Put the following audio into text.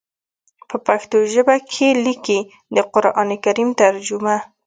پۀ پښتو ژبه کښې ليکلی د قران کريم ترجمه